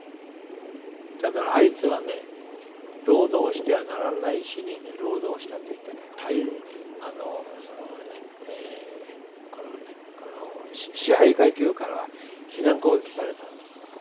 だからあいつは労働してはならない日に労働したといって支配階級からは非難攻撃されたんです。